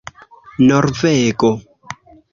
norvego